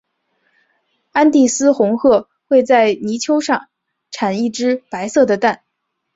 安第斯红鹳会在泥丘上产一只白色的蛋。